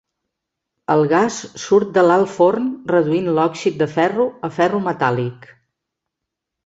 El gas surt de l'alt forn reduint l'òxid de ferro a ferro metàl·lic.